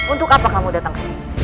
untuk apa kamu datang